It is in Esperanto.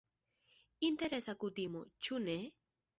Interesa kutimo, ĉu ne?